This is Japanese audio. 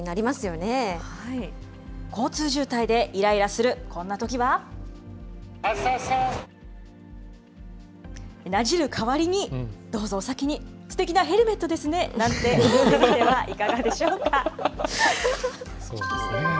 交通渋滞でいらいらする、こなじる代わりに、どうぞお先に、すてきなヘルメットですね、なんて言ってみてはいかがでしょうか。